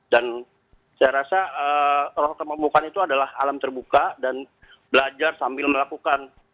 dan saya rasa roh kemampuan itu adalah alam terbuka dan belajar sambil melakukan